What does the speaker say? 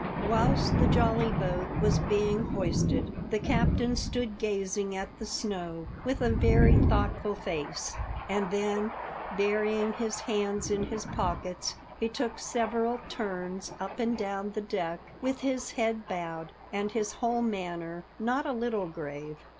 9 Whilst the jolly boat was being hoisted, the captain stood gazing at the snow with a very thoughtful face, and then burying his hands in his pockets, he took several turns up and down the deck with his head bowed, and his whole manner not a little grave.